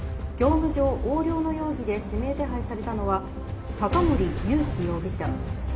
業務上横領の容疑で指名手配されたのは高森勇気容疑者。